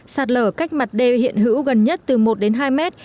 sạt lở cách mặt đê hiện hữu gần nhất từ một đến hai mét